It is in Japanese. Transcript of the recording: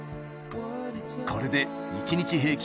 これで１日平均